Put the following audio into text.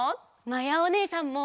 まやおねえさんも！